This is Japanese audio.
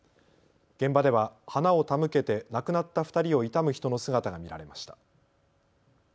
現場では花を手向けて亡くなった２人を悼む人の姿が見られました。